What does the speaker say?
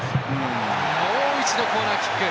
もう一度、コーナーキック。